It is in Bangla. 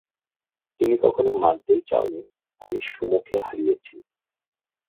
তুমি কখনো মানতেই চাওনি আমি সুমোকে হারিয়েছি।